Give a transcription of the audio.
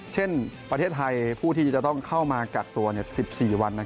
เช่นประเทศไทยผู้ที่จะต้องเข้ามากักตัว๑๔วัน